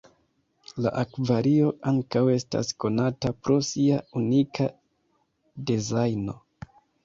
La akvario ankaŭ estas konata pro sia unika dezajno.